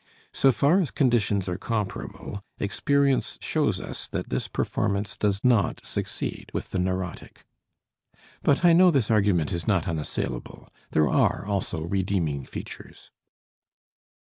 So far as conditions are comparable, experience shows us that this performance does not succeed with the neurotic. But I know this argument is not unassailable; there are also "redeeming features."